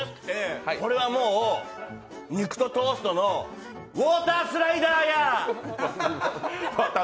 これはもう肉とトーストのウォータースライダーや！